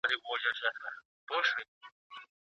لومړي نسل د خپلو ګټو لپاره حقایق پټ کړل.